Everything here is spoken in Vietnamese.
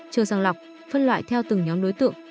chưa sàng lọc phân loại theo từng nhóm đối tượng